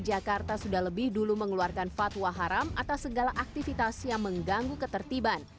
jakarta sudah lebih dulu mengeluarkan fatwa haram atas segala aktivitas yang mengganggu ketertiban